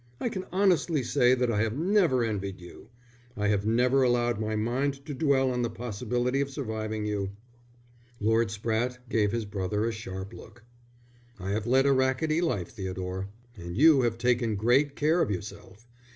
I can honestly say that I have never envied you. I have never allowed my mind to dwell on the possibility of surviving you." Lord Spratte gave his brother a sharp look. "I have led a racketty life, Theodore, and you have taken great care of yourself.